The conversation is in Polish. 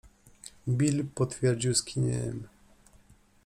Bill potwierdził skinieniem.